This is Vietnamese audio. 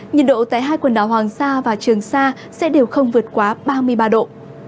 nhiệt độ tại hai quần đảo hoàng sa và trường sa sẽ đều không vượt quá ba mươi ba độ